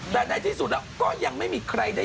แต่ในที่สุดแล้วก็ยังไม่มีใครได้